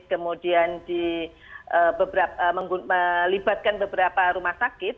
kemudian melibatkan beberapa rumah sakit